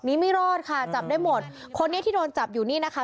ไม่รอดค่ะจับได้หมดคนนี้ที่โดนจับอยู่นี่นะคะ